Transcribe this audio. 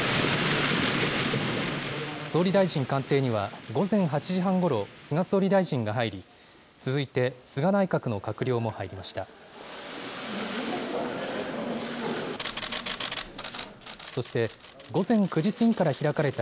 総理大臣官邸には、午前８時半ごろ、菅総理大臣が入り、続いて菅内閣の閣僚も入りました。